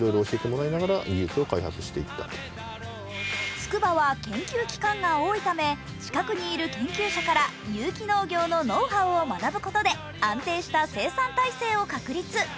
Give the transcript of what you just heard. つくばは研究機関が多いため近くにいる研究者から有機農業のノウハウを学ぶことで安定した生産体制を確立。